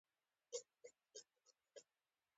مورې د مخه دې شرمېږم ماله کوژدن چا کره وکړه زوړ دې کړمه